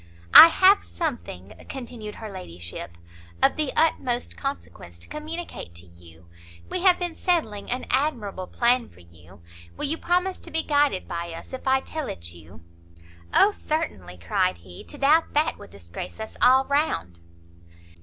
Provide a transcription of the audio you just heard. "I have something," continued her ladyship, "of the utmost consequence to communicate to you. We have been settling an admirable plan for you; will you promise to be guided by us if I tell it you?" "O certainly!" cried he; "to doubt that would disgrace us all round."